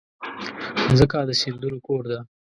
مځکه د سیندونو کور ده.